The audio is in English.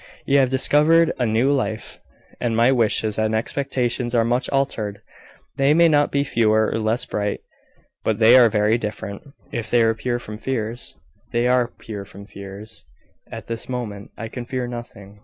You have discovered a new life, and my wishes and expectations are much altered. They may not be fewer, or less bright, but they are very different." "If they were pure from fears " "They are pure from fears. At this moment I can fear nothing.